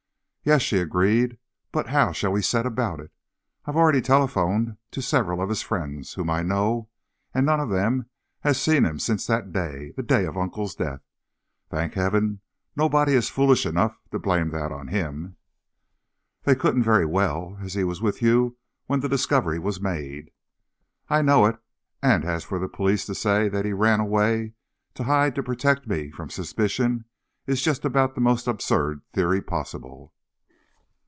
"Yes," she agreed; "but how shall we set about it? I've already telephoned to several of his friends, whom I know, and none of them has seen him since that day, the day of Uncle's death. Thank Heaven nobody is foolish enough to blame that on him!" "They couldn't very well, as he was with you when the discovery was made." "I know it. And for the police to say he ran away to hide to protect me from suspicion is just about the most absurd theory possible!"